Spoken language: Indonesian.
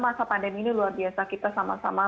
masa pandemi ini luar biasa kita sama sama